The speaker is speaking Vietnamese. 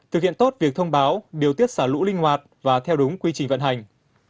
thực hiện tốt việc thông báo điều tiết xả lũ linh hoạt và theo đúng quy trình vận hành